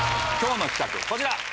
今日の企画こちら！